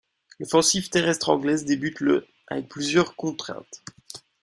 L'offensive terrestre anglaise débute le avec plusieurs contraintes.